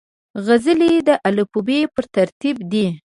غزلې د الفبې پر ترتیب دي.